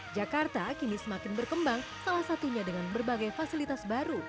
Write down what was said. jakarta kini semakin berkembang salah satunya dengan berbagai fasilitas baru